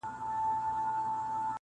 هغه وې وايه کنه څنګه تېرېدل وختونه